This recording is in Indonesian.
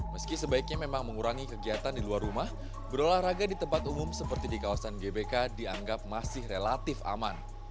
meski sebaiknya memang mengurangi kegiatan di luar rumah berolahraga di tempat umum seperti di kawasan gbk dianggap masih relatif aman